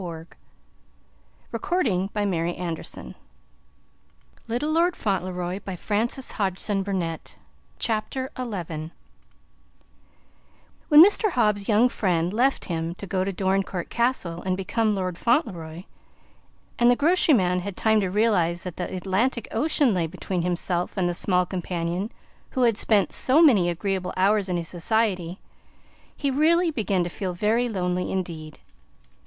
"Take" he said, and then his voice changed a little "take Lord Fauntleroy to his room." XI When Mr. Hobbs's young friend left him to go to Dorincourt Castle and become Lord Fauntleroy, and the grocery man had time to realize that the Atlantic Ocean lay between himself and the small companion who had spent so many agreeable hours in his society, he really began to feel very lonely indeed.